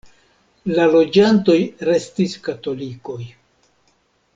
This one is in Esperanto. La loĝantoj restis katolikoj.